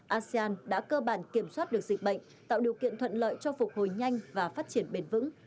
asean đã cơ bản kiểm soát được dịch bệnh tạo điều kiện thuận lợi cho phục hồi nhanh và phát triển bền vững